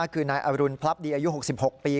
คือนายอรุณพลับดีอายุ๖๖ปี